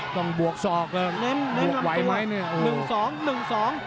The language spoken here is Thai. ต้องบวกศอกบวกไว้ไหมเนี่ยโอ้โห